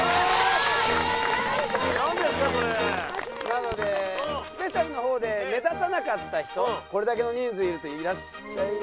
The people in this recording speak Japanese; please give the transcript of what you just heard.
なのでスペシャルの方で目立たなかった人これだけの人数いるといらっしゃい。